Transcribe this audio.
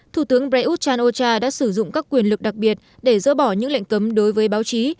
thủ tướng prayuth chan o cha đã sử dụng các quyền lực đặc biệt để dỡ bỏ những lệnh cấm đối với báo chí